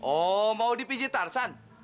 oh mau dipijit tarzan